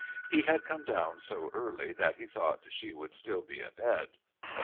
He had come down so early that he had thought she would still be abed.